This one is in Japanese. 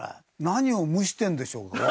何を蒸してるんでしょう？